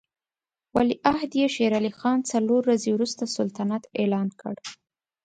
ولیعهد یې شېر علي خان څلور ورځې وروسته سلطنت اعلان کړ.